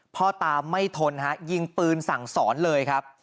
พ่อตาไม่ทนฮะยิงปืนสั่งสอนเลยครับ